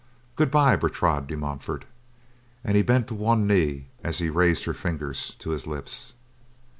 Goodbye, Bertrade de Montfort," and he bent to one knee, as he raised her fingers to his lips.